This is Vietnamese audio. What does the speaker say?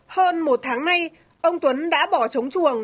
hơn một tháng nay ông tuấn đã bỏ trống chuồng